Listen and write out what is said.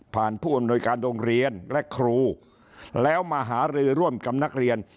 ผู้อำนวยการโรงเรียนและครูแล้วมาหารือร่วมกับนักเรียน